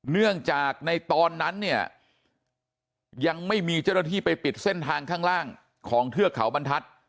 เนื่องจากในตอนนั้นเนี่ยยังไม่มีเจ้าหน้าที่ไปปิดเส้นทางข้างล่างของเทือกเขาบรรทัศน์